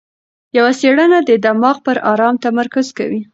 یوه څېړنه د دماغ پر ارام تمرکز کوي.